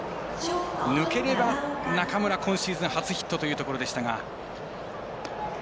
抜ければ中村、今シーズン初ヒットというところでしたが。